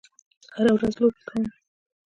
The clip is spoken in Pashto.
هره ورځ لوبې کوم